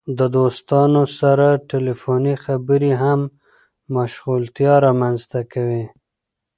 د دوستانو سره ټیلیفوني خبرې هم مشغولتیا رامنځته کوي.